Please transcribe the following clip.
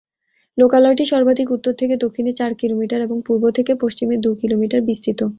লোকালয়টি সর্বাধিক উত্তর থেকে দক্ষিণে চার কিলোমিটার এবং পূর্ব থেকে পশ্চিমে দু কিলোমিটার বিস্তৃত।